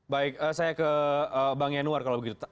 baik saya ke bang yanuar kalau begitu